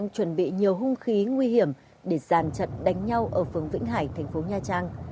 chuẩn bị nhiều hung khí nguy hiểm để giàn trận đánh nhau ở phường vĩnh hải thành phố nha trang